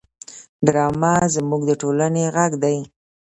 ډرامه زموږ د ټولنې غږ دی